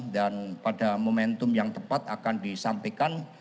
dan pada momentum yang tepat akan disampaikan